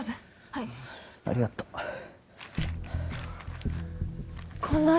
はいありがとうこんな